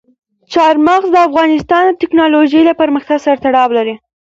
چار مغز د افغانستان د تکنالوژۍ له پرمختګ سره تړاو لري.